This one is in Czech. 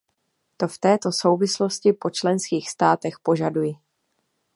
To v této souvislosti po členských státech požaduji.